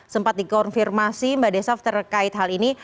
sempat dikonfirmasi mbak desaf terkait hal ini